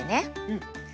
うん。